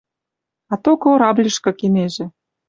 А то корабльышкы кенежӹ...